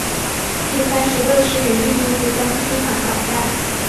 第三十六师与日军第三师团巷战。